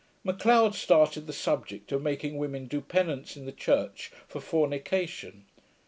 M'Leod started the subject of making women do penance in the church for fornication.